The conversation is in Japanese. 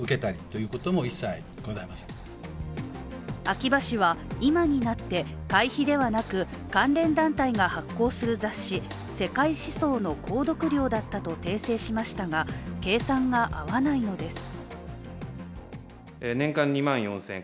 秋葉氏は今になって会費ではなく関連団体が発行する雑誌「世界思想」の購読料だったと訂正しましたが計算が合わないのです。